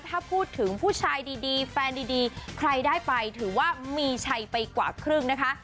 ถ้าพูดถึงผู้ชายดีแฟนดีใครได้ไปถือว่ามีชัยไปกว่าครึ่งนะคะ